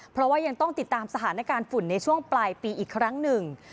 เพราะว่ายังต้องติดตามสถานการณ์ฝุ่นในช่วงปลายปีอีกครั้งหนึ่ง